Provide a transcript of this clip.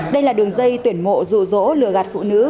đây là đường dây tuyển mộ rụ rỗ lừa gạt phụ nữ